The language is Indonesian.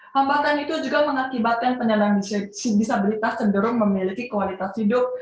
hambatan itu juga mengakibatkan penyandang disabilitas cenderung memiliki kualitas hidup